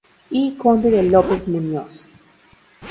I Conde de López Muñoz.